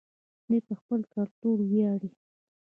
دوی په خپل کلتور ویاړي.